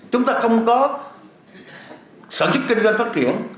chúng ta không có sản xuất kinh doanh phát triển